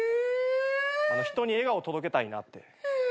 人に笑顔届けたいなって。